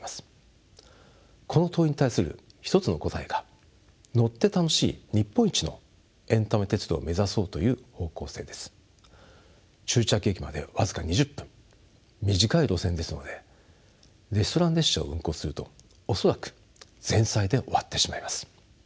この問いに対する一つの答えが終着駅まで僅か２０分短い路線ですのでレストラン列車を運行すると恐らく前菜で終わってしまいます。